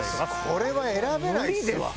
これは選べないっすわ。